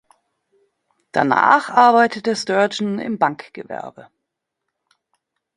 Danach arbeitete Sturgeon im Bankgewerbe.